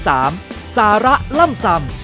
สาระล่ำซำ